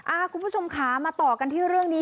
คุณผู้ชมค่ะมาต่อกันที่เรื่องนี้